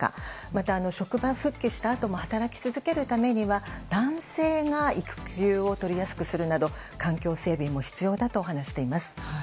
また、職場復帰したあとも働き続けるためには男性が育休を取りやすくするなど環境整備も必要だと話しています。